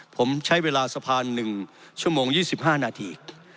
ผมใช้เวลาสะพาน๑ชั่วโมง๒๕นาที